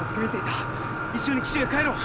一緒に紀州へ帰ろう！